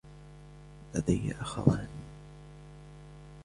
لدي أخوان.